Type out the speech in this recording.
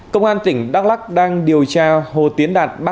công an tỉnh đắk lắc đang điều tra hồ tiến đạt